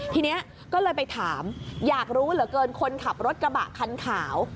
ทีนี้ก็เลยไปถามอยากรู้เหลือเกินคนขับรถกระบะคันขาว